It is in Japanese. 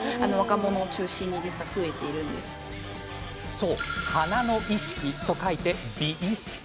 そう、鼻の意識と書いて鼻意識。